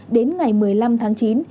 đến ngày một mươi năm tháng chín